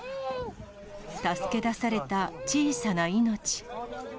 助け出された小さな命。